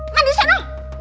man di sana